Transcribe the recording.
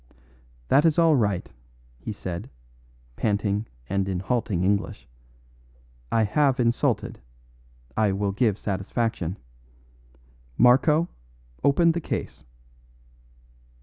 "That is all right," he said, panting and in halting English. "I have insulted. I will give satisfaction. Marco, open the case."